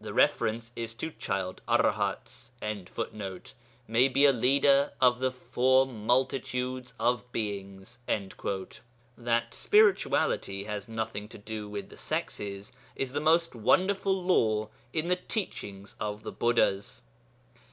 The reference is to child Arahats.] may be a leader of the four multitudes of beings.' That spirituality has nothing to do with the sexes is the most wonderful law in the teachings of the Buddhas.'